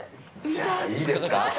じゃあいいですか。